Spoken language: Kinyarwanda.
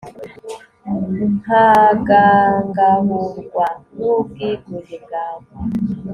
nkagangahurwa n'ubwigunge bwawe